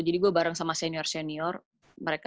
jadi gue bareng sama senior senior